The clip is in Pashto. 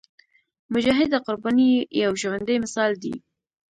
مجاهد د قربانۍ یو ژوندی مثال دی.